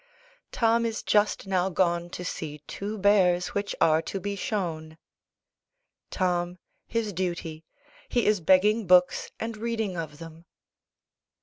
"Tom is just now gone to see two bears which are to be shown." "Tom, his duty. He is begging books and reading of them."